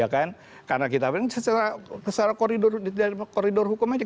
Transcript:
karena kita memang secara koridor hukum aja